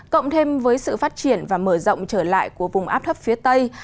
cộng thêm với sự phát triển và mở rộng trở lại của vùng áp thấp phía tây